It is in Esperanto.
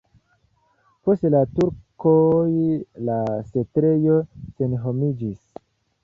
Post la turkoj la setlejo senhomiĝis.